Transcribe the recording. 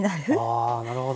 あなるほど。